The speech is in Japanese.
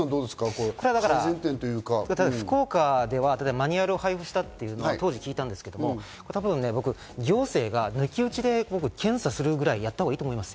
福岡ではマニュアルを配布したと当時聞いたんですが、行政が抜き打ちで検査するぐらいやったほうがいいと思います。